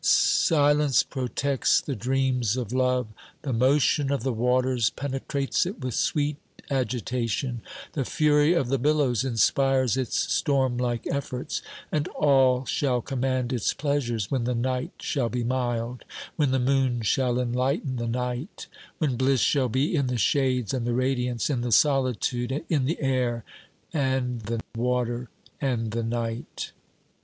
Silence protects the dreams of love, the motion of the waters pene trates it with sweet agitation, the fury of the billows inspires its stormlike efforts, and all shall command its pleasures when the night shall be mild; when the moon shall enlighten the night; when bliss shall be in the shades and the radiance, in the solitude, in the air and the water and the night.